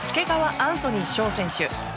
アンソニー翔選手。